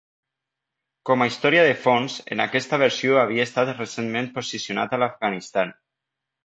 Com a historia de fons, en aquesta versió havia estat recentment posicionat a l'Afganistan.